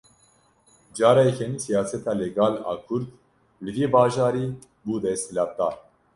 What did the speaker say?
Cara yekemîn siyaseta legal a Kurd, li vî bajarî bû desthilatdar